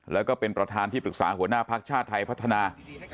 แล้วก็เป็นประธานที่ปรึกษาหัวหน้าภักดิ์ชาติไทยพัฒนา